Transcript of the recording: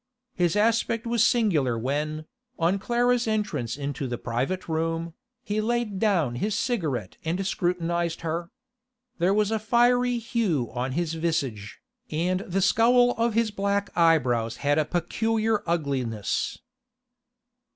His aspect was singular when, on Clara's entrance into the private room, he laid down his cigarette and scrutinised her. There was a fiery hue on his visage, and the scowl of his black eyebrows had a peculiar ugliness.